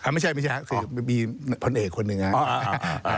ไม่ใช่มีพลเอกคนหนึ่งนะ